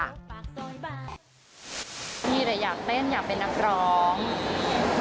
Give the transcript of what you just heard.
มีแต่อยากเต้นอยากเป็นนักร้อง